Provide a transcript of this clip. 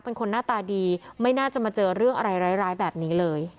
เป็นคนหน้าตาดีไม่น่าจะมาเจอเรื่องอะไรร้ายแบบนี้เลย